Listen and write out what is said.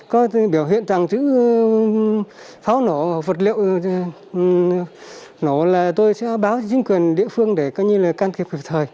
có thể biểu hiện rằng chữ pháo nổ vật liệu nổ là tôi sẽ báo cho chính quyền địa phương để coi như là can thiệp hiệp thời